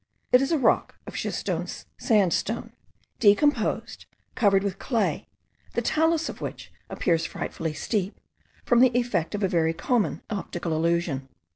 It is a rock of schistose sandstone, decomposed, covered with clay, the talus of which appears frightfully steep, from the effect of a very common optical illusion.